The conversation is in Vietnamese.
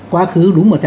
quá khứ đúng một trăm linh